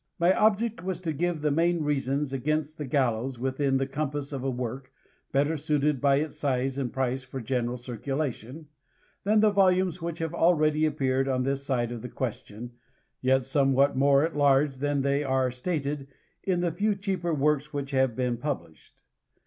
My object was to give the main reasons against the gallows within the compass of a work, better suited by its size and price for general circulation, than the volumes which have already appeared on this side of the question, yet somewhat more at large than they are stated in the few cheaper works which have been published.